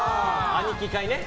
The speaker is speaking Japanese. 兄貴会ね。